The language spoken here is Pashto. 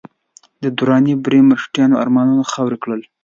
د دراني بري د مرهټیانو ارمانونه خاورې کړل.